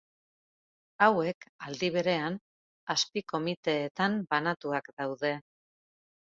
Hauek, aldi berean, azpi-komiteetan banatuak daude.